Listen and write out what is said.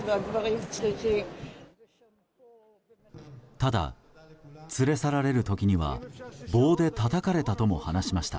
ただ、連れ去られる時には棒でたたかれたとも話しました。